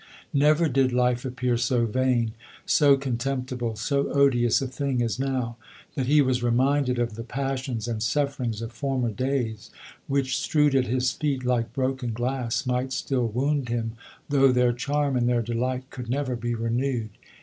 Never did life appear so vain, so contemptible, so odious a thing as now, that he was reminded of the pas sions and sufferings of former days, which, strewed at his feet like broken <dass, might still wound him, though their charm and their 136 LODORE. delight could never be renewed.